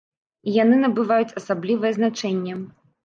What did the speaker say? І яны набываюць асаблівае значэнне.